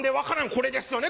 これですよね